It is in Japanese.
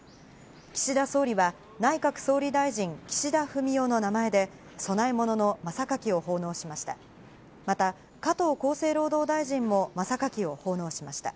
岸田総理は「内閣総理大臣・岸田文雄」の名前で供え物の真榊を奉納しました。